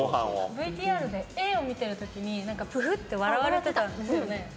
ＶＴＲでＡを見ている時にぷふって笑われてたんですよね。